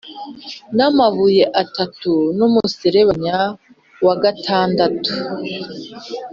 n'amabuye atatu/ n'umuserebanya wa gatandatu »